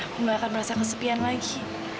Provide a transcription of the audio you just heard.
aku nggak akan merasa kesepian lagi